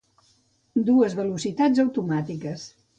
Dues velocitats automàtiques.